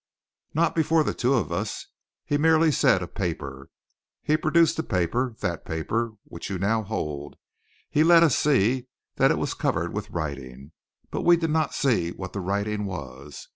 "Not before the two of us. He merely said a paper. He produced the paper that paper, which you now hold. He let us see that it was covered with writing, but we did not see what the writing was.